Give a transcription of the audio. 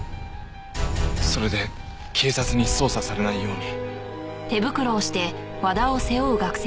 それで警察に捜査されないように。